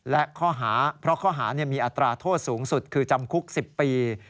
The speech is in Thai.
และข้อหาเพราะข้อหามีอัตราโทษสูงสุดคือจำคุก๑๐ปี